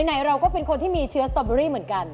ไหนเราก็เป็นคนที่มีเชื้อสตอเบอรี่เหมือนกัน